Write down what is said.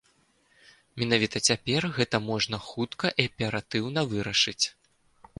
Менавіта цяпер гэта можна хутка і аператыўна вырашыць.